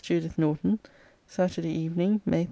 JUDITH NORTON SATURDAY EVENING, MAY 13.